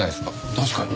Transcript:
確かに。